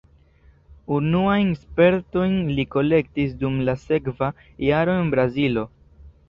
Unuajn spertojn li kolektis dum la sekva jaro en Brazilo.